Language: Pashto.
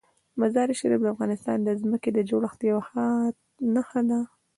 مزارشریف د افغانستان د ځمکې د جوړښت یوه ښه نښه ده.